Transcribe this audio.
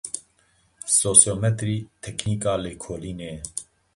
Sosyometrî teknîka lêkolînê ye.